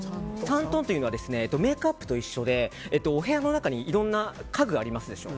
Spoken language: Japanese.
３トーンというのはメイクアップと一緒でお部屋の中にいろんな家具がありますでしょ。